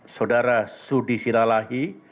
saudara sudi siralahi